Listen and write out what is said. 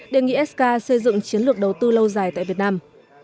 đề nghị sk xây dựng chiến lược đầu tư lâu dài tại việt nam